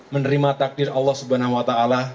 menerima takdir allah swt